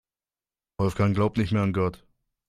Wolfgang glaubt nicht mehr an Gott.